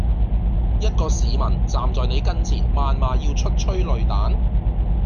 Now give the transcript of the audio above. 一個市民站在你跟前謾罵要出催淚彈？